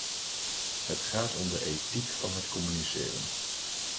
Het gaat om de ethiek van het communiceren.